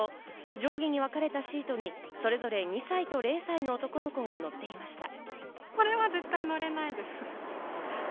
上下に分かれたシートにそれぞれ２歳と０歳の男の子が乗っていました。